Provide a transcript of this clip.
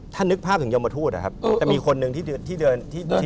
ถ้านึกภาพถึงยมทูตนะครับจะมีคนหนึ่งที่เดินที่